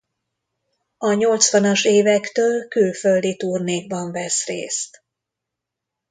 A nyolcvanas évektől külföldi turnékban vesz részt.